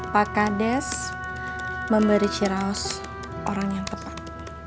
pak kades memberi ciraus orang yang tepat